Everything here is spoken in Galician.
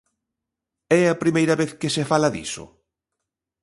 É a primeira vez que se fala diso?